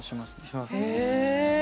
しますね。